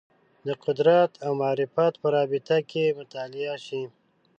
د قدرت او معرفت په رابطه کې مطالعه شي